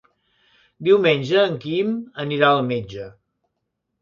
Diumenge en Quim anirà al metge.